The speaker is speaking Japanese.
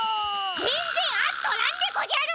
ぜんぜんあっとらんでごじゃる！